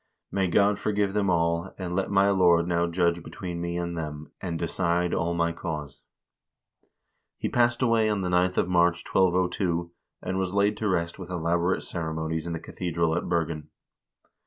May God forgive them all ; and let my Lord now judge between me and them, and decide all my cause." He passed away on the 9th of March, 1202, and was laid to rest with elaborate ceremonies in the cathedral at Bergen.